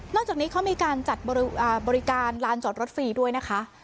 จากนี้เขามีการจัดบริการลานจอดรถฟรีด้วยนะคะ